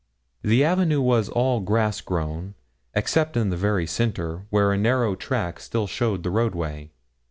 The avenue was all grass grown, except in the very centre, where a narrow track still showed the roadway.